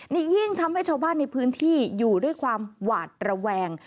นี่ยิ่งทำให้ชาวบ้านในพื้นที่อยู่ด้วยความหวาดระแวง